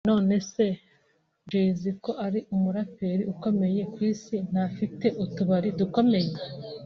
nonese Jay Z ko ari umuraperi ukomeye ku isi ntafite utubari dukomeye